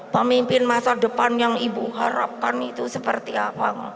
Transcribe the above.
pemimpin masa depan yang ibu harapkan itu seperti apa